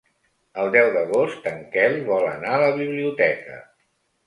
El deu d'agost en Quel vol anar a la biblioteca.